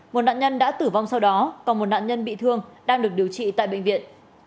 một nạn nhân đã tử vong sau đó còn một nạn nhân bị thương đang được điều trị tại bệnh viện